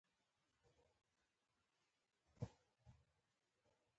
تر ستالینګراډ ښار پورې زموږ تګ څو اونۍ وخت ونیو